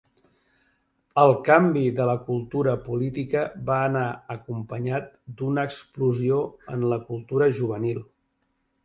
El canvi de la cultura política va anar acompanyat d'una explosió en la cultura juvenil.